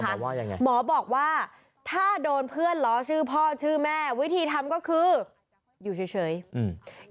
ว่ายังไงหมอบอกว่าถ้าโดนเพื่อนล้อชื่อพ่อชื่อแม่วิธีทำก็คืออยู่เฉยเฉยอืม